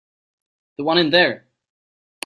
The one in there.